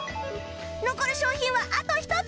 残る商品はあと一つ